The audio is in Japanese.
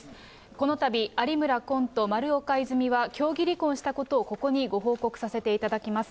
このたび、有村昆と丸岡いずみは協議離婚したことをここにご報告させていただきます。